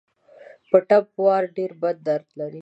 په ټپ وار ډېر بد درد لري.